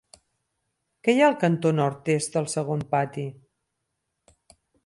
Què hi ha al cantó nord-est del segon pati?